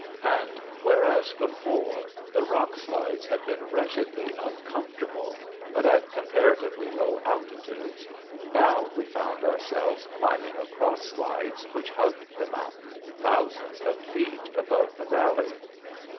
And whereas before the rock slides had been wretchedly uncomfortable but at comparatively low altitudes, now we found ourselves climbing across slides which hugged the mountain thousands of feet above the valley.